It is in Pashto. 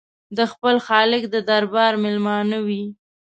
د خپل خالق د دربار مېلمانه وي.